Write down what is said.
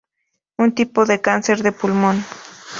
Un tipo de cáncer de pulmón.